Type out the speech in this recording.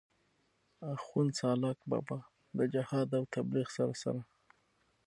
آخون سالاک بابا د جهاد او تبليغ سره سره